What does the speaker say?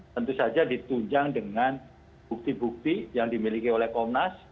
tentu saja ditunjang dengan bukti bukti yang dimiliki oleh komnas